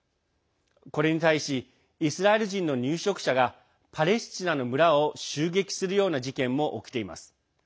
これに対しイスラエル人の入植者がパレスチナの村を襲撃するような事件も起きています。